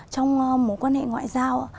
trong mối quan hệ ngoại giao